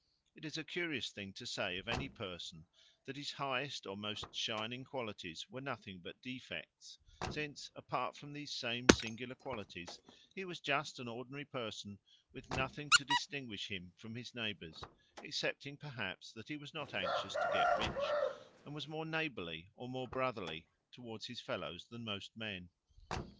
It is a curious thing to say of any person that his highest or most shining qualities were nothing but defects, since, apart from these same singular qualities, he was just an ordinary person with nothing to distinguish him from his neighbours, excepting perhaps that he was not anxious to get rich and was more neighbourly or more brotherly towards his fellows than most men.